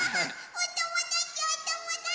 おともだちおともだち！